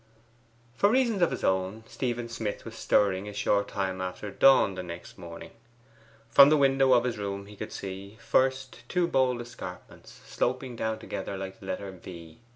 For reasons of his own, Stephen Smith was stirring a short time after dawn the next morning. From the window of his room he could see, first, two bold escarpments sloping down together like the letter V.